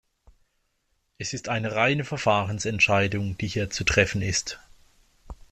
Es ist eine reine Verfahrensentscheidung, die hier zu treffen ist.